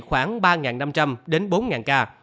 khoảng ba năm trăm linh đến bốn ca